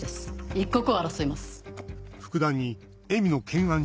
一刻を争います。